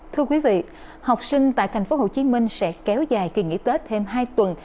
thưa quý vị học sinh tại tp hcm sẽ kéo dài kỳ nghỉ tết thêm hai tuần